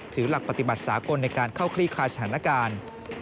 ถือหลักปฏิบัติสากลในการเข้าคลี่คลายสถานการณ์